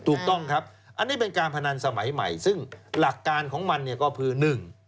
ถูกต้องครับอันนี้เป็นการพนันสมัยใหม่ซึ่งหลักการของมันเนี่ยก็คือหนึ่ง